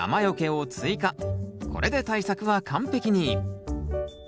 これで対策は完璧に。